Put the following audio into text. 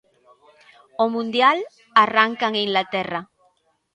O mundial arranca en Inglaterra.